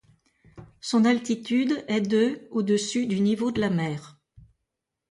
Son altitude est de au-dessus du niveau de la mer.